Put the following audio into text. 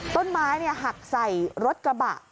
ต้นไม้หักใส่รถกระบะ